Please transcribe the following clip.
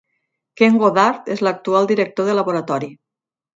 Ken Goddard és l'actual director de laboratori.